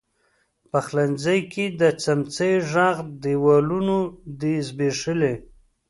پخلنځي کې د څمڅۍ ږغ، دیوالونو دی زبیښلي